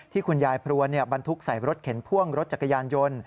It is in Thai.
คุณยายพรวนบรรทุกใส่รถเข็นพ่วงรถจักรยานยนต์